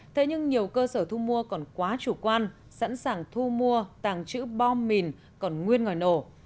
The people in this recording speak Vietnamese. thế nhưng nhiều cơ sở thu mua còn quá chủ quan sẵn sàng thu mua tàng trữ bom mìn còn nguyên ngòi nổ